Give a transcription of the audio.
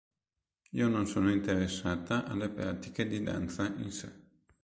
Io non sono interessata alle pratiche di danza in sé.